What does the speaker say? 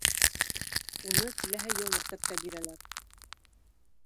Уны киләһе йыл мәктәпкә бирәләр